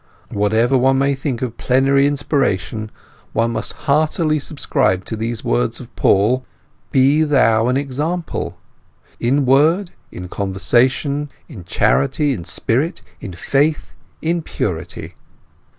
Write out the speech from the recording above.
Whatever one may think of plenary inspiration, one must heartily subscribe to these words of Paul: 'Be thou an example—in word, in conversation, in charity, in spirit, in faith, in purity.